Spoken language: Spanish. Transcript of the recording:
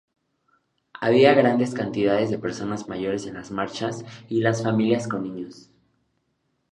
Había grandes cantidades de personas mayores en las marchas y las familias con niños.